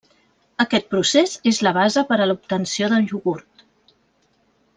Aquest procés és la base per a l'obtenció del iogurt.